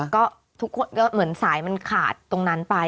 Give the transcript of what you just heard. ก็ทุกคนก็เหมือนสายมันขาดตรงนั้นไป